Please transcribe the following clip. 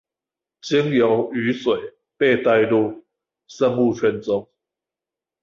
經由雨水被帶入生物圈中